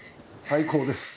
最高です。